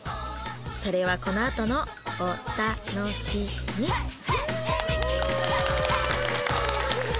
それはこのあとのお・た・の・し・み・フーッ！